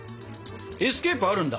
エスケープあるんだ？